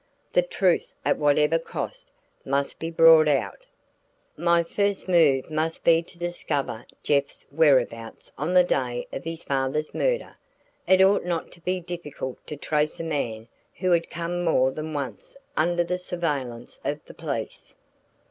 The truth, at whatever cost, must be brought out. My first move must be to discover Jeff's whereabouts on the day of his father's murder. It ought not to be difficult to trace a man who had come more than once under the surveillance of the police.